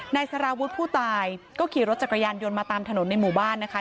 สารวุฒิผู้ตายก็ขี่รถจักรยานยนต์มาตามถนนในหมู่บ้านนะคะ